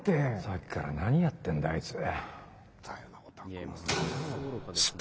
さっきから何やってんだあいつ。